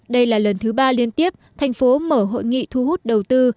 đây là lần thứ ba liên tiếp thành phố mở hội nghị thu hút đầu tư